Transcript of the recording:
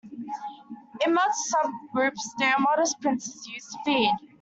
In most sub-groups, they are modest pincers used to feed.